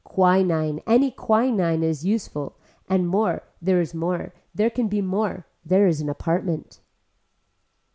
Quinine any quinine is useful and more there is more, there can be more, there is an apartment.